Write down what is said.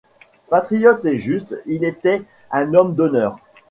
Patriote et juste, il était un homme d'honneur.